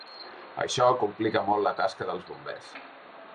Això complica molt la tasca dels bombers.